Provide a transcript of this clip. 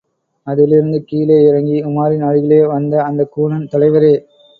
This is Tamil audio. அதிலிருந்து கீழே இறங்கி உமாரின் அருகிலே வந்த அந்தக் கூணன், தலைவரே!